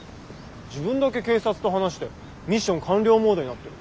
自分だけ警察と話してミッション完了モードになってる。